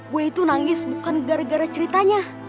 gue itu nangis bukan gara gara ceritanya